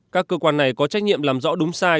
các cơ quan này có trách nhiệm làm rõ đúng sai